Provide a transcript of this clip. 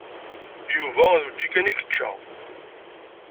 Yuba d učči kan i yečča.